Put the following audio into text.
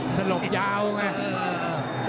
สรกยาวไง